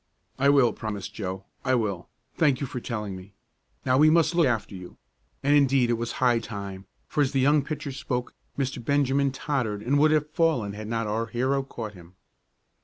"I will," promised Joe. "I will. Thank you for telling me. Now we must look after you." And indeed it was high time, for, as the young pitcher spoke Mr. Benjamin tottered and would have fallen had not our hero caught him.